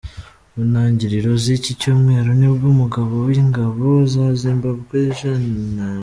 Mu ntangiriro z’iki cyumweru nibwo umugaba w’ingabo za Zimbabwe Gen.